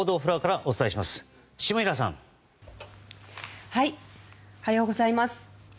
おはようございます。